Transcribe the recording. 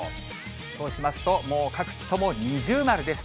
そうしますと、もう各地とも二重丸です。